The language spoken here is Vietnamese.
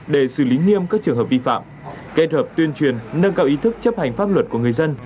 để xử lý nghiêm các trường hợp vi phạm kết hợp tuyên truyền nâng cao ý thức chấp hành pháp luật của người dân